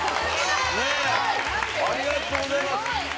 ありがとうございます。